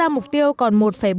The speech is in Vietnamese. mục tiêu còn một bốn mươi một